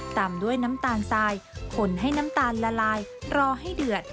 ตามด้วยน้ำตาลทรายขนให้น้ำตาลละลายรอให้เดือด